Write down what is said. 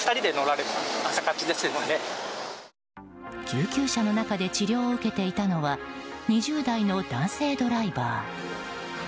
救急車の中で治療を受けていたのは２０代の男性ドライバー。